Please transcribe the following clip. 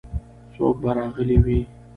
څوک به راغلي وي.